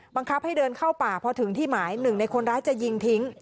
บังคับให้เดินเข้าป่าพอถึงที่หมายหนึ่งในคนร้ายจะยิงทิ้ง